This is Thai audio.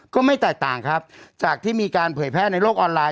ก็ไม่แตกต่างครับจากที่มีการเผยแพร่ในโลกออนไลน